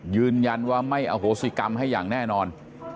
ยืนยันว่าไม่อโหสิกรรมให้อย่างแน่นอน